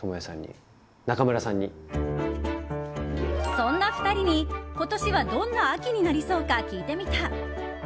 そんな２人に今年はどんな秋になりそうか聞いてみた。